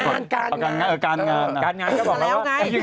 การงานก็บอกแล้วว่าพี่การงานกันแล้วอีก